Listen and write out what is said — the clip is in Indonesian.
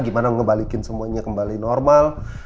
gimana ngebalikin semuanya kembali normal